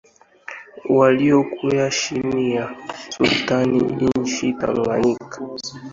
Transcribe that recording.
waliokuwa chini ya Sultani nchini Tanganyika